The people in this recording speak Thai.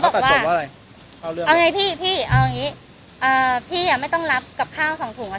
เอาไงพี่พี่เอาอย่างงี้อ่าพี่อ่ะไม่ต้องรับกับข้าวสองถุงอ่ะ